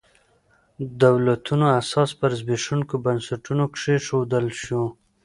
دولتونو اساس پر زبېښونکو بنسټونو کېښودل شو.